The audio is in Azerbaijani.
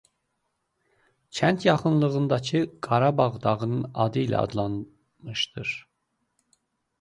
Kənd yaxınlığındakı Qaradağ dağının adı ilə adlanmışdır.